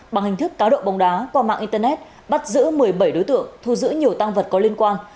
bằng hình thức cá độ bóng đá qua mạng internet bắt giữ một mươi bảy đối tượng thu giữ nhiều tăng vật có liên quan